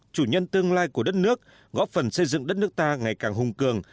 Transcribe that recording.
chủ nhân tương lai của đất nước góp phần xây dựng đất nước ta ngày càng hùng cường